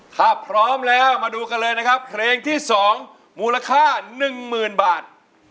ถ้าพร้อมแล้วมาดูกันเลยนะครับเพลงที่๒มูลค่า๑๐๐๐บาท